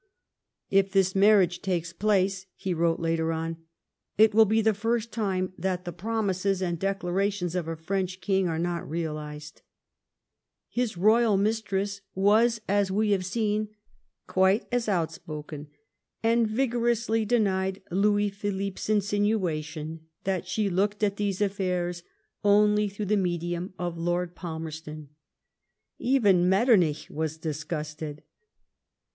" If this marriage takes place," he wrote later on, ^^ it will be the first time that the promises and declarations of a French king are not realised/' His royal mistress was, as we have seen, quite as out spoken, and vigorously denied Louis Philippe's insinua tion that she looked at these affairs only through the medium of Lord Palmerston. Even Metternich was disgusted.